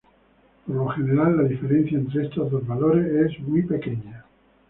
Por lo general, la diferencia entre estos dos valores es muy pequeña.